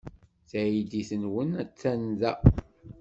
Taydit-nwent attan da.